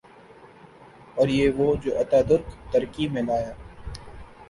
اوریہ وہ جو اتا ترک ترکی میں لایا۔